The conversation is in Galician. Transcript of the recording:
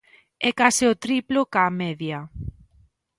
É case o triplo cá media.